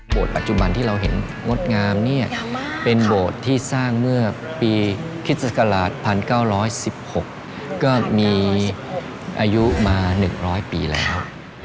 ปัจจุบันที่เราเห็นงดงามเนี่ยเป็นโบสถ์ที่สร้างเมื่อปีคริสตราช๑๙๑๖ก็มีอายุมา๑๐๐ปีแล้ว